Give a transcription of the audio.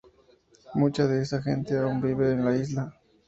Mucha de esa gente aún vive en la isla.